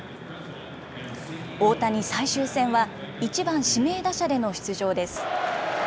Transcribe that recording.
大谷、最終戦は１番指名打者での出場です。